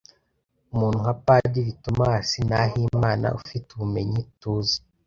umuntu nka Padiri Tomasi Nahimana ufite ubumenyi tuzi